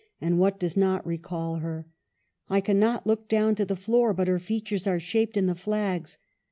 and what does not recall her ? I cannot look down to the floor but her features are shaped in the flags!